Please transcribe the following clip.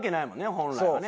本来はね。